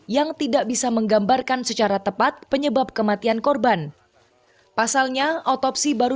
yang tidak bisa menggambarkan secara tepat penyebab kematian korban pasalnya otopsi baru